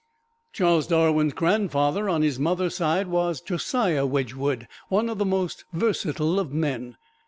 Charles Darwin's grandfather on his mother's side was Josiah Wedgwood, one of the most versatile of men.